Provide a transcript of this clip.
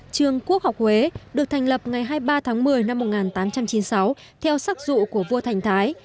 trường quốc học huế được thành lập ngày hai mươi ba tháng một mươi năm một nghìn tám trăm chín mươi sáu theo sắc dụ của vua thành thái